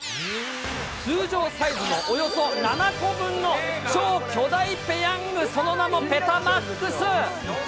通常サイズのおよそ７個分の超巨大ペヤング、その名もペタマックス。